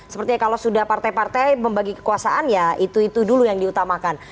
sepertinya kalau sudah partai partai membagi kekuasaan ya itu itu dulu yang diutamakan